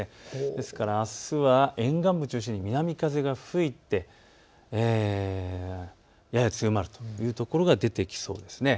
ですからあすは沿岸部を中心に南風が吹いてやや強まるという所が出てきそうです。